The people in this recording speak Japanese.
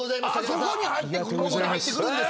そこに入ってくるんだ。